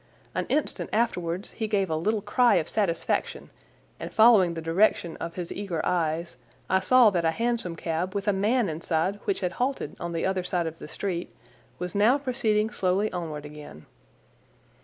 An instant afterwards he gave a little cry of satisfaction, and, following the direction of his eager eyes, I saw that a hansom cab with a man inside which had halted on the other side of the street was now proceeding slowly onward again.